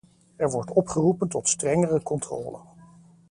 Er wordt opgeroepen tot strengere controle.